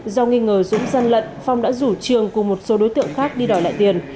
do nghi ngờ dũng gian lận phong đã rủ trường cùng một số đối tượng khác đi đòi lại tiền